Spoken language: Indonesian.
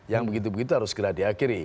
yang begitu begitu harus segera diakhiri